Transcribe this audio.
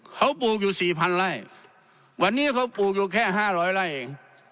เขาปลูกอยู่สี่พันไร่วันนี้เขาปลูกอยู่แค่ห้าร้อยไร่เอง